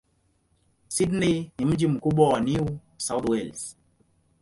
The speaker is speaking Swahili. Sydney ni mji mkubwa wa New South Wales.